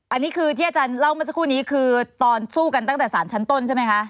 อันนี้คือที่อาจารย์เล่าเมื่อสักครู่นี้คือตอนสู้กันตั้งแต่สารชั้นต้นใช่ไหมคะ